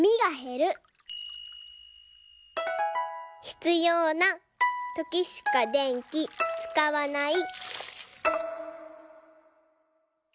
「ひつようなときしか電気使わない」